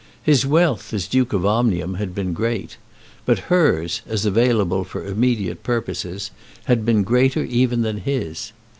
His wealth as Duke of Omnium had been great; but hers, as available for immediate purposes, had been greater even than his.